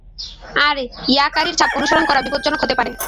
আর ইয়াকারির ছাপ অনুসরণ করা বিপজ্জনক হতে পারে।